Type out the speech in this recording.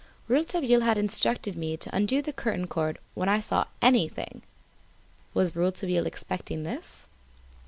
Rouletabille had instructed me to undo the curtain cord when I saw anything. Was Rouletabille expecting this?